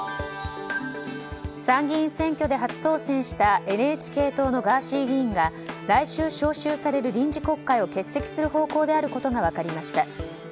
参議院選挙で初当選したＮＨＫ党のガーシー議員が来週召集される臨時国会を欠席する方向であることが分かりました。